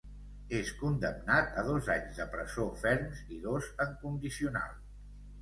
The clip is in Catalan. És condemnat a dos anys de presó ferms i dos en condicional.